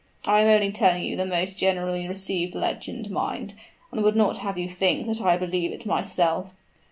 I am only telling you the most generally received legend, mind, and would not have you think that I believe it myself.